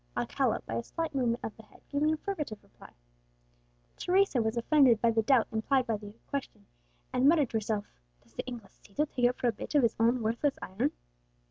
Alcala, by a slight movement of the head, gave an affirmative reply. Teresa was offended by the doubt implied by the question, and muttered to herself, "Does the Inglesito take it for a bit of his own worthless iron?"